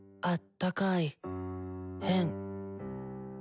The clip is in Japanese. あったかい？